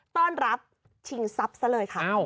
ต้อนรับชิงทรัพย์ซะเลยค่ะ